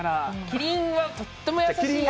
キリンはとっても優しい。